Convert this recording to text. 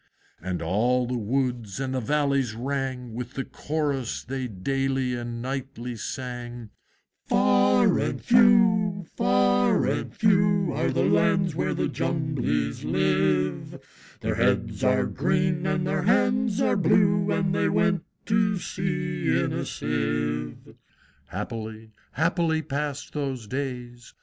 And all the woods and the valleys rang With the Chorus they daily and nightly sang, "_Far and few, far and few, Are the lands where the Jumblies live; Their heads are green, and their hands are blue, And they went to sea in a sieve._" Happily, happily passed those days!